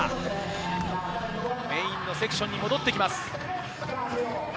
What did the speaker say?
メインのセクションに戻ってきます。